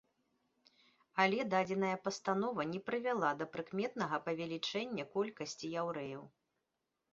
Але дадзеная пастанова не прывяла да прыкметнага павелічэння колькасці яўрэяў.